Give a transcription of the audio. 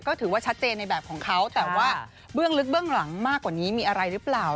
ก็ถือว่าชัดเจนในแบบของเขาแต่ว่าเบื้องลึกเบื้องหลังมากกว่านี้มีอะไรหรือเปล่า